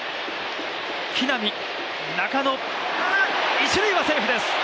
一塁はセーフです。